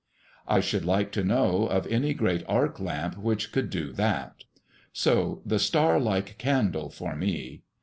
I should like to know of any great arc lamp which could do that. So the star like candle for me.